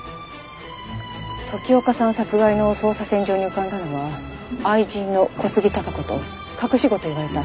時岡さん殺害の捜査線上に浮かんだのは愛人の小杉貴子と隠し子といわれた新野はるな。